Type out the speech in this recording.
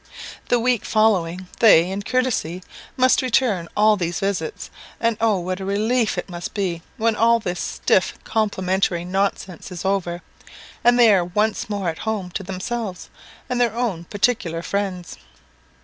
The week following they, in courtesy, must return all these visits; and, oh, what a relief it must be when all this stiff complimentary nonsense is over, and they are once more at home to themselves and their own particular friends!